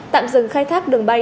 tạm dừng khai thác đường bay